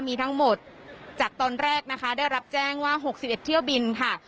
มีทั้งหมดจากตอนแรกนะคะได้รับแจ้งว่า๖๑เที่ยวบินค่ะ